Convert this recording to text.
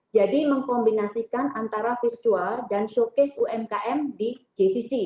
jadi mengkombinasikan antara virtual dan showcase umkm di gcc